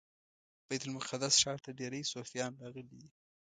بیت المقدس ښار ته ډیری صوفیان راغلي دي.